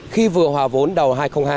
khi vừa hòa vốn đầu hai nghìn hai mươi